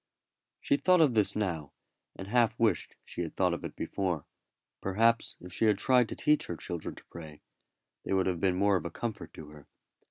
She thought of this now, and half wished she had thought of it before. Perhaps if she had tried to teach her children to pray, they would have been more of a comfort to her.